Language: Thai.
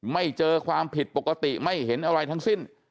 ไม่เจอความผิดปกติไม่เห็นอะไรทั้งสิ้น